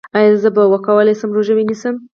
ایا زه به وکولی شم روژه ونیسم؟